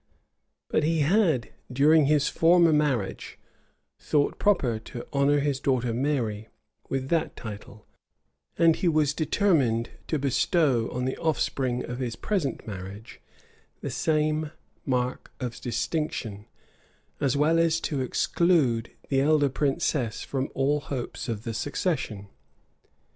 But he had, during his former marriage, thought proper to honor his daughter Mary with that title; and he was determined to bestow on the offspring of his present marriage the same mark of distinction, as well as to exclude the elder princess from all hopes of the succession.